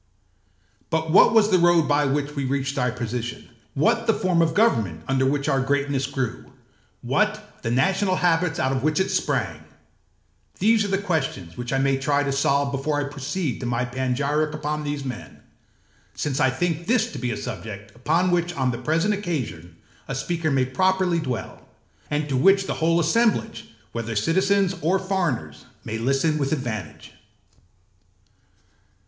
But what was the road by which we reached our position, what the form of government under which our greatness grew, what the national habits out of which it sprang; these are questions which I may try to solve before I proceed to my panegyric upon these men; since I think this to be a subject upon which on the present occasion a speaker may properly dwell, and to which the whole assemblage, whether citizens or foreigners, may listen with advantage.